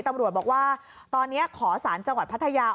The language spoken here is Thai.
ตำรวจบอกว่าตอนนี้ขอสารจังหวัดพัทยา